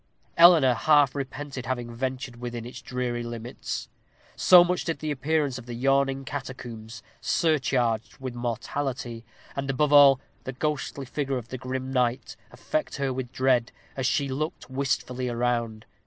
Eleanor half repented having ventured within its dreary limits, so much did the appearance of the yawning catacombs, surcharged with mortality, and, above all, the ghostly figure of the grim knight, affect her with dread, as she looked wistfully around.